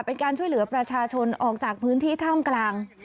เป็นการช่วยเหลือประชาชนออกจากพื้นที่ท่ามกลาง